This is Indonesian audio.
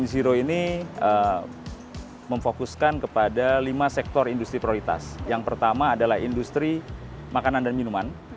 ini memfokuskan kepada lima sektor industri prioritas yang pertama adalah industri makanan dan minuman